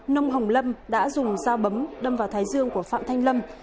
nông hồng lâm đã dùng dao bấm đâm vào thái dương của phạm thanh lâm